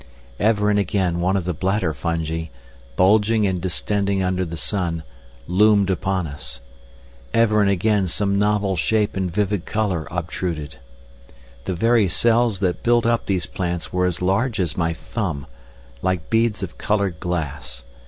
Ever and again one of the bladder fungi, bulging and distending under the sun, loomed upon us. Ever and again some novel shape in vivid colour obtruded. The very cells that built up these plants were as large as my thumb, like beads of coloured glass.